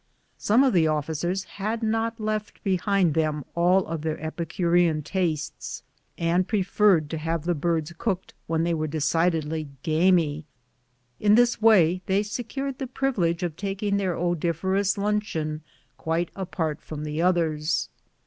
Some of the officers had not left behind them all of their epicurean tastes, and preferred to have the birds cooked when they were decidedly "gamy." In this way they secured the privilege of taking their odoriferous luncheon quite apart from the others.